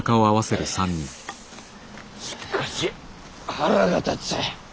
しかし腹が立つ！